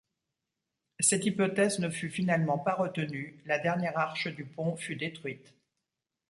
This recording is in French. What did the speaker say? Cette hypothèse ne fut finalement pas retenue, la dernière arche du pont fut détruite.